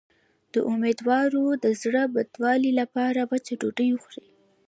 د امیدوارۍ د زړه بدوالي لپاره وچه ډوډۍ وخورئ